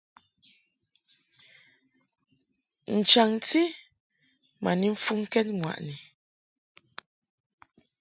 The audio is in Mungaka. N-chaŋti ma ni mfuŋkɛd ŋwaʼni.